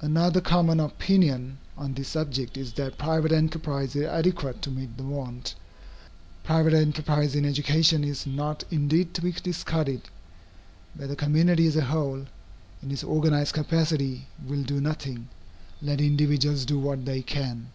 Another common opinion on this subject is that private enterprise is adequate to meet the want. Private enterprise in education is not indeed to be discarded. Where the community as a whole, in its organized capacity, will do nothing, let individuals do what they can.